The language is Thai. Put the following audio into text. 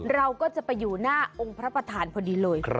เราก็จะไปอยู่หน้าองค์พระประธานพอดีเลย